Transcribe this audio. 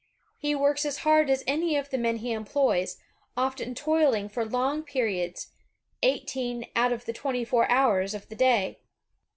He works as hard as any of the men he employs, often toiling for long periods, eighteen out of the twenty four hours of the day.